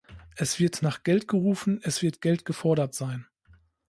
Es wird nach Geld gerufen, es wird Geld gefordert sein.